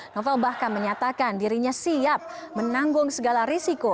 novel bahkan menyatakan dirinya siap menanggung segala risiko